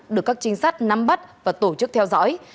được các trinh sát nắm bắt và tổ chức theo dõi